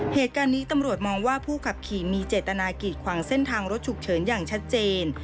เหตุการณ์นี้ตำรวจมองว่าผู้ขับขี่มีเจตนากีดขวางเส้นทางรถฉุกเฉินอย่างชัดเจน